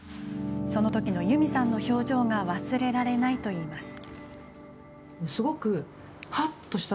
その時のユミさんの表情が忘れられないといいます。